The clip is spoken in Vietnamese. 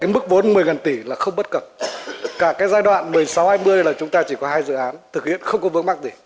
mức vốn một mươi tỷ là không bất cập cả giai đoạn một mươi sáu hai mươi là chúng ta chỉ có hai dự án thực hiện không có vướng mắc gì